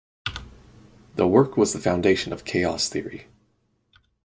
The work was the foundation of chaos theory.